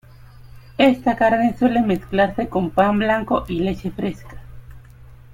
Esta carne suele mezclarse con pan blanco y leche fresca.